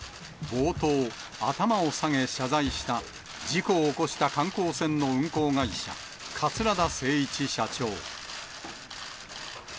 冒頭、頭を下げ謝罪した、事故を起こした観光船の運航会社、桂田精一社長。